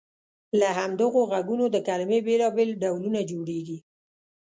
له همدغو غږونو د کلمې بېلابېل ډولونه جوړیږي.